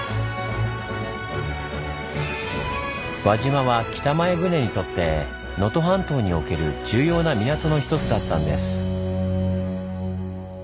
輪島は北前船にとって能登半島における重要な港の一つだったんです。